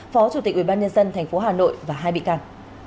phó chủ tịch ubnd tp hà nội và hai bị can